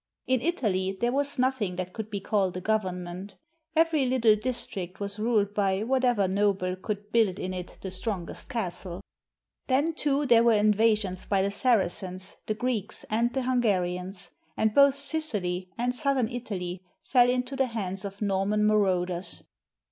In Italy there was nothing that could be called a government. Every Uttle district was ruled by whatever noble could build in it the strongest castle. Then, too, there were invasions by the Saracens, the Greeks, and the Hungarians; and both Sicily and southern Italy fell into the hands of Norman marauders.